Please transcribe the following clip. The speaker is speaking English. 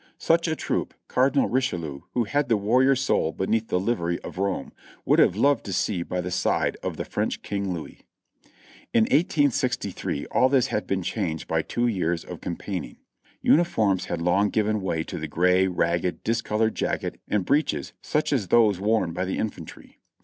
Such a troop Cardinal Richelieu, who had the warrior soul beneath the Hvery of Rome, would have loved to see by the side of the French King Louis. In 1863 all this had been changed by two years of campaign ing. Uniforms had long given way to the gray, ragged, dis colored jacket and breeches such as those worn by the infantry.